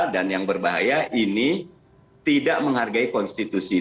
yang berbahaya ini tidak menghargai konstitusi